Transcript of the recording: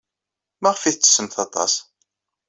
Maɣef ay tettessemt aṭas?